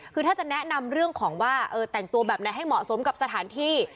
คือถ้าจะแนะนำเรื่องของว่าแต่งตัวแบบไหนให้เหมาะสมกับสถานที่